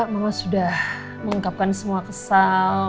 mama sudah mengungkapkan semua kesal